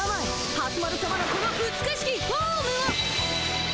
蓮丸さまのこの美しきフォームを！